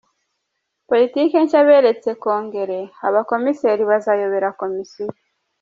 politiki nshya beretse Kongere abakomiseri bazayobora komisiyo